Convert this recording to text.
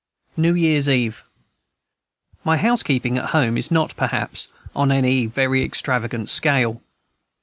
New Year's Eve. My housekeeping at home is not, perhaps, on any very extravagant scale.